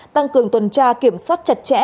tăng cường tuần tra kiểm soát chặt chẽ